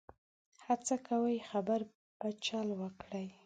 هڅه کوي خبره په چل وکړي.